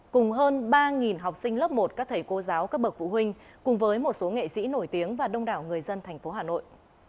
cùng hơn ba học sinh lớp một các thầy cô giáo các bậc phụ huynh cùng với một số nghệ sĩ nổi tiếng và đông đảo người dân thành phố hà nội